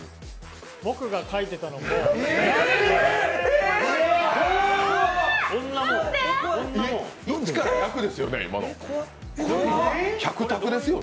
僕が書いてたのも１から１００でですよね。